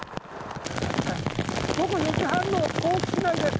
午後４時半の甲府市内です。